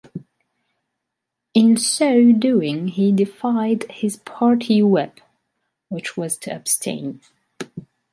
In so doing he defied his party whip, which was to abstain.